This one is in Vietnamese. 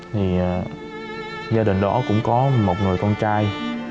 thì gia đình đó cũng có một người con trai